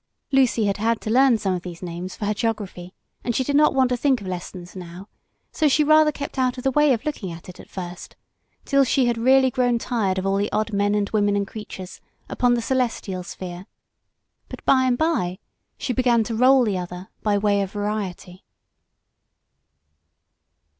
Lucy had had to learn some of these names for her geography, and she did not want to think of lessons now, so she rather kept out of the way of looking at it at first, till she had really grown tired of all the odd men and women and creatures upon the celestial sphere; but by and by she began to roll the other by way of variety.